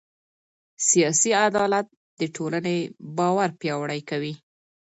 سیاسي عدالت د ټولنې باور پیاوړی کوي